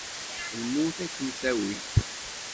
Lmut ad kem-tawi!